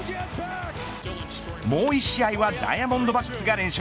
もう１試合はダイヤモンドバックスが連勝。